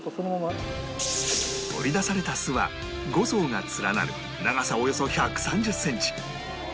取り出された巣は５層が連なる長さおよそ１３０センチ